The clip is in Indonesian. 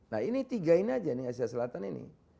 nah ini tiga ini aja nih asia selatan ini